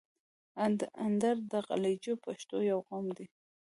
اندړ د غلجیو پښتنو یو قوم ده.